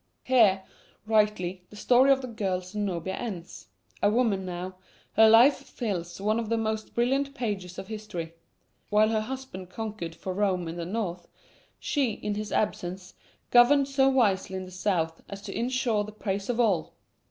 Here, rightly, the story of the girl Zenobia ends. A woman now, her life fills one of the most brilliant pages of history. While her husband conquered for Rome in the north, she, in his absence, governed so wisely in the south as to insure the praise of all.